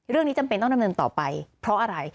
เรื่องนี้จำเป็นต้องดำเนินต่อไปเพราะอะไร